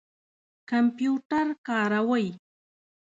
کمپیوټر کاروئ؟